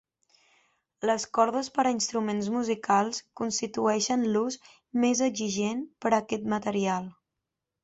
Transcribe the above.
Les cordes per a instruments musicals constitueixen l'ús més exigent per a aquest material.